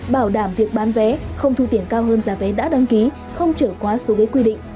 bảo đảm việc bán vé không thu tiền cao hơn giá vé đã đăng ký không trở quá số ghế quy định